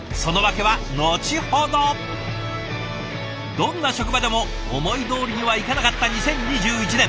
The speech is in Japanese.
どんな職場でも思いどおりにはいかなかった２０２１年。